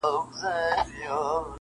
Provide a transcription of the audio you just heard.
چي د رقیب په وینو سره توره راغلی یمه-